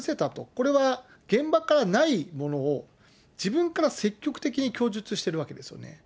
これは現場からないものを、自分から積極的に供述してるわけですよね。